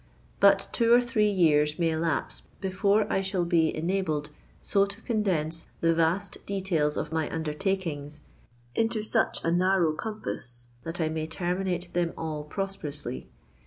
But two or three years may elapse before I shall be enabled so to condense the vast details of my undertakings into such a narrow compass that I may terminate them all prosperously.